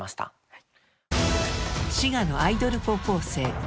はい。